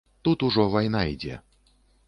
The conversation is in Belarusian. Тут ужо вайна ідзе.